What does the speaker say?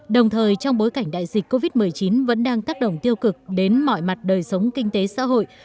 đồng thời trong bối cảnh đại dịch covid một mươi chín vẫn đang tác động tiêu cực đến mọi mặt đời sống kinh tế xã hội